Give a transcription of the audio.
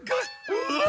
うわ！